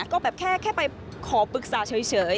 ก็แบบแค่ไปขอปรึกษาเฉย